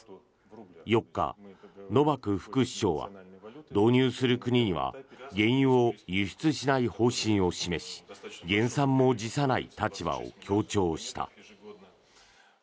４日、ノバク副首相は導入する国には原油を輸出しない方針を示し減産も辞さない立場を強調した。